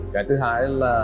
cái thứ hai là